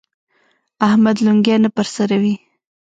احمد لونګۍ نه پر سروي.